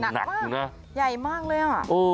หนักมากใหญ่มากเลย